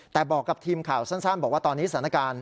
แต่บอกกับทีมข่าวสั้นบอกว่าตอนนี้สถานการณ์